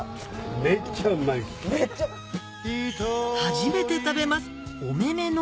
初めて食べます